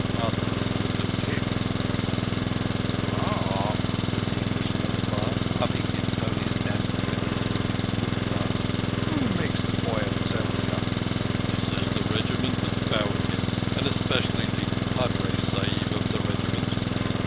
"Others would have kicked, Sahib." "Ah," said the Englishman at last, rubbing his pony's damp withers with his whip butt. "Who makes the boy a soldier?" "He says the Regiment that found him, and especially the Padre sahib of that regiment.